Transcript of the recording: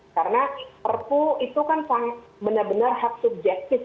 karena perpu itu kan benar benar hak subjektif